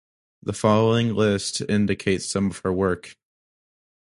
The following list indicates some of her work.